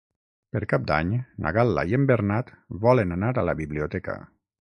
Per Cap d'Any na Gal·la i en Bernat volen anar a la biblioteca.